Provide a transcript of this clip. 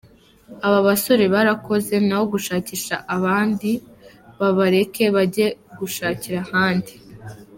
aba basore barakoze naho gushakisha ahandi babareke bajye gushakira ahandi.